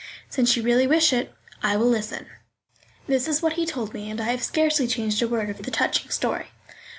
"Since you really wish it, I will listen." This is what he told me, and I have scarcely changed a word of the touching story.